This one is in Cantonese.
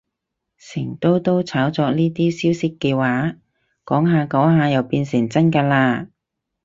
成日都炒作呢啲消息嘅話，講下講下就變成真㗎喇